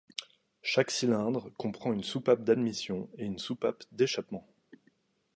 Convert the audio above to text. Chaque cylindre comprend une soupape d'admission et une soupape d'échappement.